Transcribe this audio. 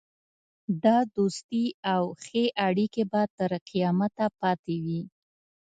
دا دوستي او ښې اړېکې به تر قیامته پاته وي.